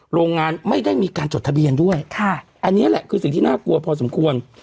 โรงงานไม่ได้มีการจดทะเบียนด้วยค่ะอันนี้แหละคือสิ่งที่น่ากลัวพอสมควร